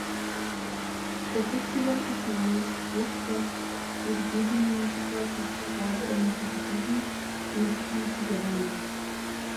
The festival is managed both by Zugdidi Municipal City Hall and Zugdidi Municipality Government.